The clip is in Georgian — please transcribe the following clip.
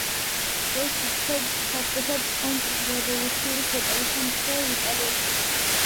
ეს იქცა საწყისად კონტრრევოლუციური შეტევისა მთელ იტალიაში.